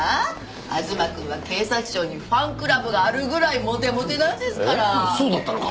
東くんは警察庁にファンクラブがあるぐらいモテモテなんですからそうだったのか？